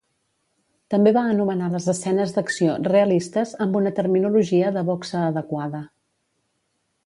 També va anomenar les escenes d'acció "realistes" amb una terminologia de boxa adequada.